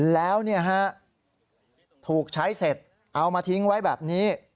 แล้วถูกใช้เสร็จเอามาทิ้งไว้แบบนี้